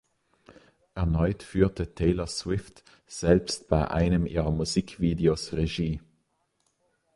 Erneut führte Taylor Swift selbst bei einem ihrer Musikvideos Regie.